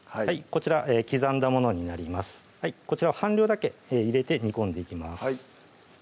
こちらを半量だけ入れて煮込んでいきます